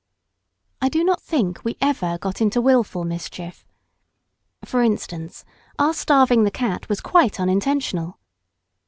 I do not think we ever got into wilful mischief. For instance, our starving the cat was quite unintentional.